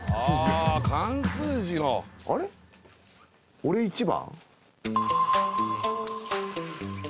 俺１番？